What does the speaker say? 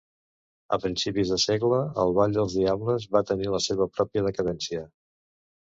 A principis de segle el Ball de Diables va tenir la seva pròpia decadència.